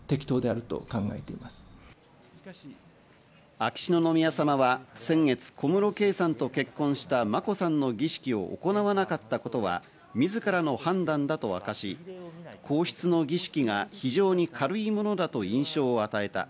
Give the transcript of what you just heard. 秋篠宮さまは先月、小室圭さんと結婚した眞子さんの儀式を行わなかったことは自らの判断だと明かし、皇室の儀式が非常に軽いものだと印象を与えた。